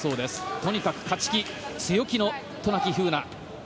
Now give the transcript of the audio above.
とにかく勝ち気、強気の渡名喜風南。